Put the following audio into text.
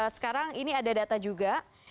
sekarang ini ada data juga